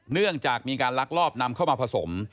เนื่องจากมีการลักลอบนำเข้ามาผสม